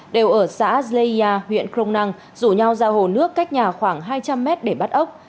đều ở xã zleja huyện kronang rủ nhau ra hồ nước cách nhà khoảng hai trăm linh m để bắt ốc